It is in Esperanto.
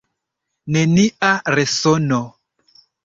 Nenia resono.